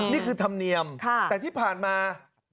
นี่คือธรรมเนียมแต่ที่ผ่านมา